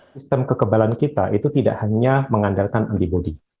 sistem kekebalan kita itu tidak hanya mengandalkan antibody